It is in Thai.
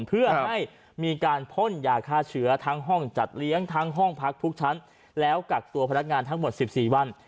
เพื่อให้มีการพ่นยาฆ่าเชื้อทั้งห้องจัดเลี้ยงทั้งห้องพักทุกชั้นแล้วกักตัวพนักงานทั้งหมด๑๔วัน